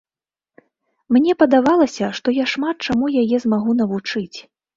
Мне падавалася, што я шмат чаму яе змагу навучыць.